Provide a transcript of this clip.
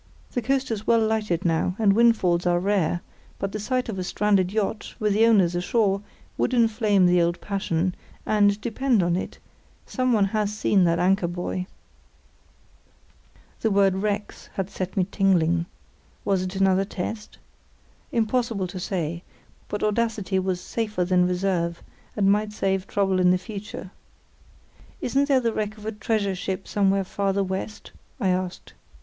The coast is well lighted now, and windfalls are rare, but the sight of a stranded yacht, with the owners ashore, would inflame the old passion; and, depend upon it, someone has seen that anchor buoy." The word "wrecks" had set me tingling. Was it another test? Impossible to say; but audacity was safer than reserve, and might save trouble in the future. "Isn't there the wreck of a treasure ship somewhere farther west?" I asked.